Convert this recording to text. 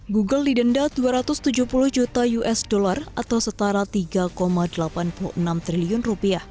google didenda rp dua ratus tujuh puluh juta usd atau setara rp tiga delapan puluh enam triliun